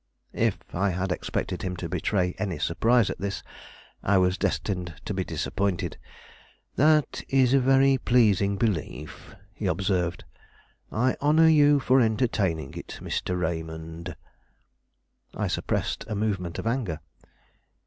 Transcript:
If I had expected him to betray any surprise at this, I was destined to be disappointed. "That is a very pleasing belief," he observed. "I honor you for entertaining it, Mr. Raymond." I suppressed a movement of anger.